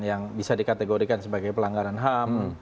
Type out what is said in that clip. yang bisa dikategorikan sebagai pelanggaran ham